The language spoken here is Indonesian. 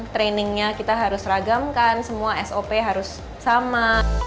trainingnya kita harus ragamkan semua sop harus sama